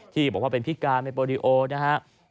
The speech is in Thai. ที่บอกว่าเป็นพิการเป็นโปรดิโอนะครับ